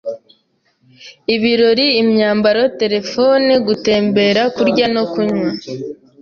ibirori, imyambaro, Telephone, gutembera kurya no kunywa,